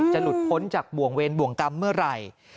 หลุดพ้นจากบ่วงเวรบ่วงกรรมเมื่อไหร่